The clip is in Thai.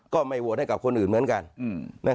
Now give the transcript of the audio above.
ก็ไม่โหวตให้กับคนอื่นเหมือนกัน